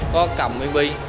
có cầm viên bi